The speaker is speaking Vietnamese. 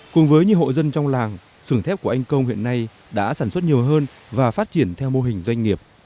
cùng với nhiều hộ dân trong làng sưởng thép của anh công hiện nay đã sản xuất nhiều hơn và phát triển theo mô hình doanh nghiệp